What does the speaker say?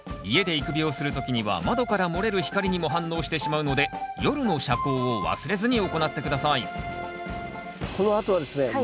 家で育苗する時には窓から漏れる光にも反応してしまうので夜の遮光を忘れずに行って下さいこのあとはですね